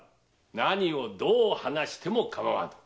何をどう話してもかまわん。